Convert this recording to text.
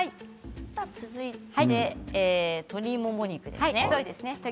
続いて鶏もも肉ですね。